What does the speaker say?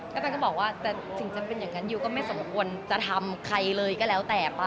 ก็ตันก็บอกว่าแต่ถึงจะเป็นอย่างนั้นยูก็ไม่สมควรจะทำใครเลยก็แล้วแต่ป้า